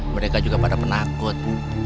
mereka juga pada penakut